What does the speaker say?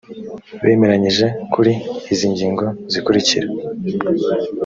bemeranyije kuri izi ngingo zikurikira